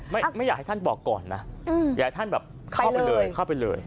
ไม่อยากให้ท่านบอกก่อนนะอยากให้ท่านแบบเข้าไปเลย